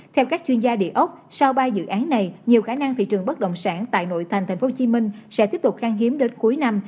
theo các chuyên gia địa ốc sau ba dự án này nhiều khả năng thị trường bất động sản tại nội thành tp hcm sẽ tiếp tục khang hiếm đến cuối năm